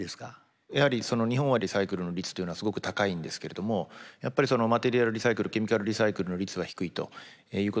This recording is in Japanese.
やはり日本はリサイクルの率っていうのはすごく高いんですけれどもやっぱりそのマテリアルリサイクルケミカルリサイクルの率は低いということ。